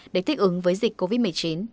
để thích ứng với dịch covid một mươi chín